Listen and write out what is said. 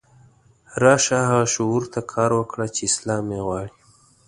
راشه هغه شعور ته کار وکړه چې اسلام یې غواړي.